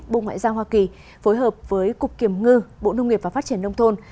bộ ngoại giao hoa kỳ phối hợp với cục kiểm ngư bộ nông nghiệp và phát triển nông thôn